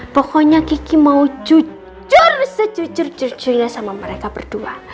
pokoknya kiki mau jujur sejujur jujurnya sama mereka berdua